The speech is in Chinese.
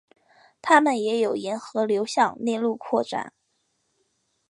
它们也有沿河流向内陆扩展。